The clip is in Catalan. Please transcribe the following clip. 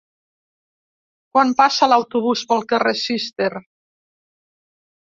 Quan passa l'autobús pel carrer Cister?